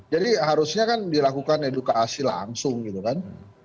jadi harusnya kan dilakukan edukasi langsung gitu kan